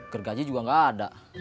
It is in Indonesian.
gergaji juga nggak ada